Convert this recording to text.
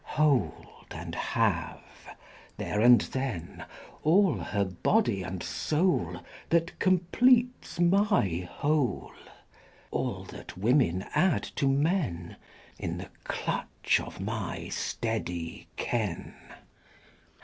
Hold and have, there and then, All her body and soul That completes my whole, All that women add to men, In the clutch of my steady ken IX.